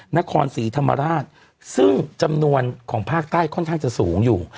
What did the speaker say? นครศรีธรรมราชซึ่งจำนวนของภาคใต้ค่อนข้างจะสูงอยู่